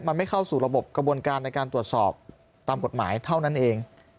มันไม่เข้าสู่ระบบกระบวนการในการตรวจสอบตามกฎหมายเท่านั้นเอง